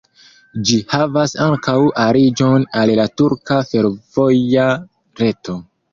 Ĝi havas ankaŭ aliĝon al la turka fervoja reto.